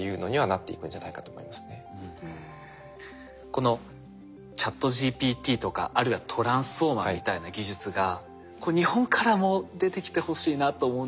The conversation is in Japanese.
このＣｈａｔＧＰＴとかあるいはＴｒａｎｓｆｏｒｍｅｒみたいな技術が日本からも出てきてほしいなと思うんですが。